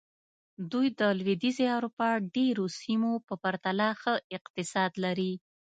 دوی د لوېدیځې اروپا ډېرو سیمو په پرتله ښه اقتصاد لري.